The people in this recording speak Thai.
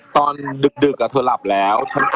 ตอนดึกอ่ะเธอหลับแล้ว